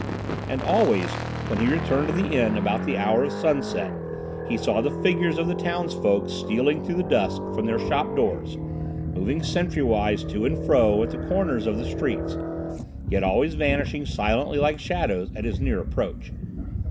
And, always when he returned to the inn about the hour of sunset, he saw the figures of the townsfolk stealing through the dusk from their shop doors, moving sentry wise to and fro at the corners of the streets, yet always vanishing silently like shadows at his near approach.